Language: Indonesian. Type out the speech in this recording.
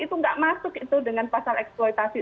itu nggak masuk itu dengan pasal eksploitasi